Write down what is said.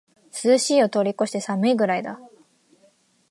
涼しいを通りこして寒いくらいだ